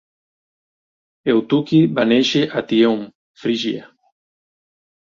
Eutiqui va néixer a Theium, Frígia.